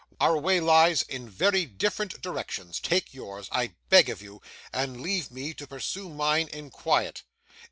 Our way lies in very different directions. Take yours, I beg of you, and leave me to pursue mine in quiet.